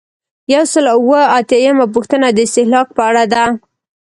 یو سل او اووه اتیایمه پوښتنه د استهلاک په اړه ده.